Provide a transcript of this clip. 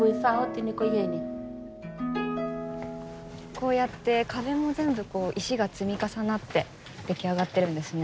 こうやって壁も全部石が積み重なって出来上がっているんですね。